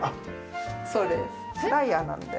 そうです。